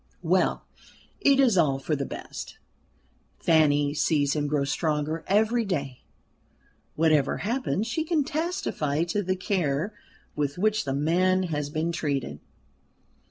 Well it is all for the best. Fanny sees him grow stronger every day whatever happens she can testify to the care with which the man has been treated.